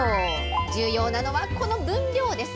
重要なのは、この分量です。